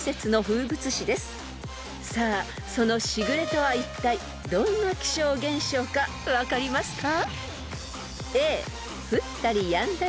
［さあその時雨とはいったいどんな気象現象か分かりますか？］